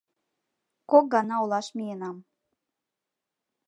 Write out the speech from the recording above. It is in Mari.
Кок гана олаш миенам